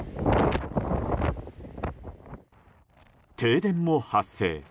停電も発生。